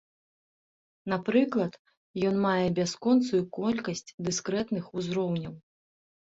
Напрыклад, ён мае бясконцую колькасць дыскрэтных узроўняў.